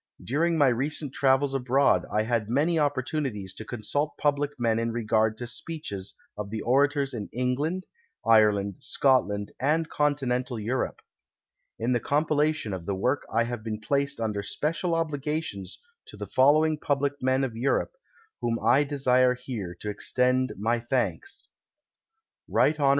During my recent travels abroad I had many (opportunities to consult public men in regard to .>!K'cches of the orators of England, Ireland, Scotland and Continental Europe. In the com pilation of the work I have been placed under special obligations to the following public men of Europe, to whom I desire here to extend my thanks : Rt. Hon.